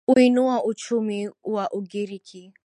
uinua uchumi wa ugiriki